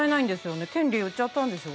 権利売っちゃったんでしょ？